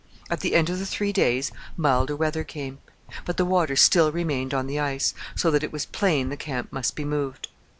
At the end of the three days milder weather came; but the water still remained on the ice, so that it was plain the camp must be moved.